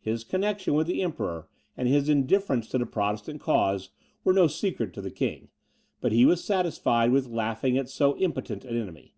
His connection with the Emperor, and his indifference to the Protestant cause, were no secret to the king, but he was satisfied with laughing at so impotent an enemy.